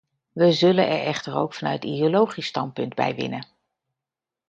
We zullen er echter ook vanuit ideologisch standpunt bij winnen.